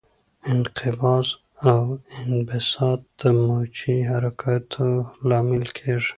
انقباض او انبساط د موجي حرکاتو لامل کېږي.